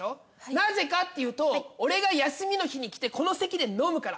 なぜかっていうと俺が休みの日に来てこの席で飲むから。